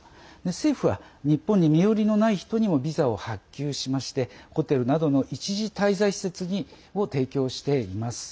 政府は日本に身寄りのない人にもビザを発給しましてホテルなどの一時滞在施設を提供しています。